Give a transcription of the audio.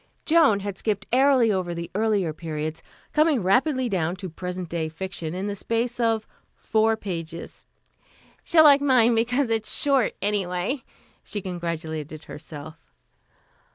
Joan had skipped airily over the earlier periods, coming rapidly down to present day fiction in the space of four pages. "She'll like mine because it's short, anyway," she congratulated herself.